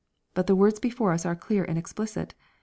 But the words before us are clear and explicit.